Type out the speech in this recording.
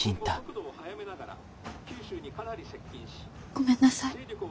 ごめんなさい。